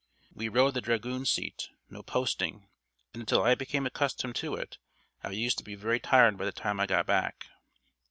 We rode the dragoonseat, no posting, and until I became accustomed to it I used to be very tired by the time I got back.